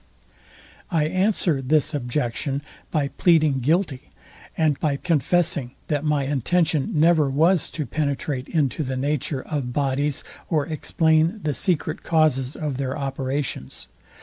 I answer this objection, by pleading guilty, and by confessing that my intention never was to penetrate into the nature of bodies, or explain the secret causes of their operations.